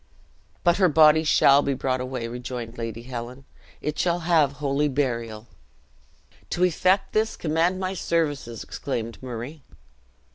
"But her body shall be brought away," rejoined Lady Helen; "it shall have holy burial." "To effect this, command my services," exclaimed Murray.